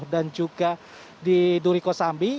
dan juga di duriko sambi